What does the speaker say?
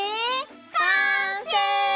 完成！